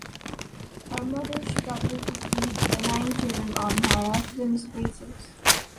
Her mother struggled to feed the nine children on her husband's wages.